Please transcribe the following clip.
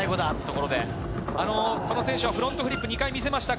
この選手はフロントフリップ２回見せました。